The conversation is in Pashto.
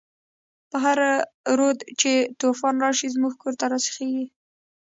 په هر رود چی توفان راشی، زموږ کور ته راسيخيږی